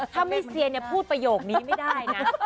ถ้าไม่เซียนพูดประโยคนี้ไม่ได้นะ